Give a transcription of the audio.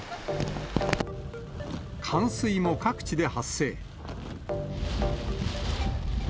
冠水も各地で発生。